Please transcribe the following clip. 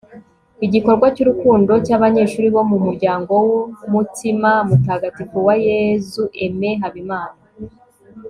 igikorwa ry'urukundo cy'abanyeshuli bo mu muryango w'umutima mutagatifu wa yezu aimé habimana